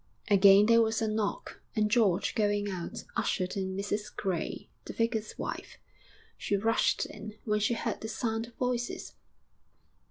Again there was a knock, and George, going out, ushered in Mrs Gray, the vicar's wife. She rushed in when she heard the sound of voices.